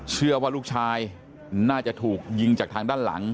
เชื่อว่าลูกชายน่าจะถูกยิงจากทางด้านหลัง